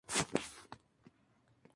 Luego Heyman apareció en "SmackDown!